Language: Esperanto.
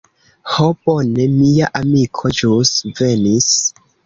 Ho bone, mia amiko ĵus venis.